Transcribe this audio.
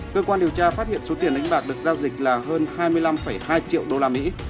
cơ quan điều tra phát hiện số tiền đánh bạc được giao dịch là hơn hai mươi năm hai triệu đô la mỹ